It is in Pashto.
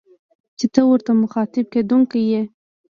چي ته ورته مخاطب کېدونکی يې